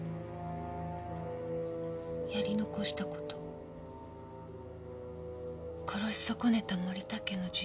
やり残したこと殺し損ねた森田家の次女。